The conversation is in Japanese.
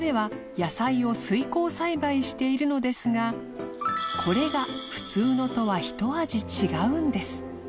野菜を水耕栽培しているのですが海譴普通のとはひと味違うんです弔鮖箸